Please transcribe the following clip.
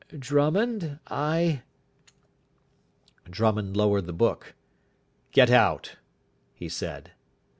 "Drummond, I " Drummond lowered the book. "Get out," he said.